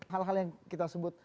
hal hal yang kita sebut